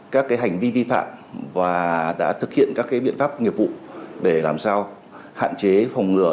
các hành vi vi phạm và đã thực hiện các biện pháp nghiệp vụ để làm sao hạn chế phòng ngừa